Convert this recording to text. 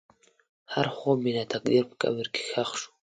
هر خوب مې د تقدیر په قبر کې ښخ شو.